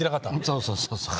そうそうそうそう。